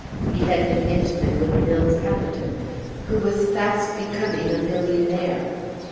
He had been intimate with Mills Happerton who was fast becoming a millionaire.